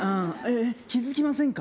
気づきませんか？